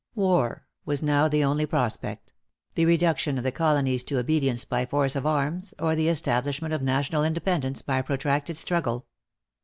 War was now the only prospect; the reduction of the Colonies to obedience by force of arms, or the establishment of national Independence by a protracted struggle.